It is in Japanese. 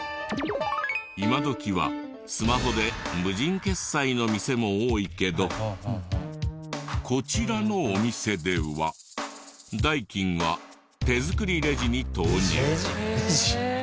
今どきはスマホで無人決済の店も多いけどこちらのお店では代金は手作りレジに投入。